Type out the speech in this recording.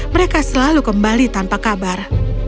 mereka selalu kembali tanpa kabar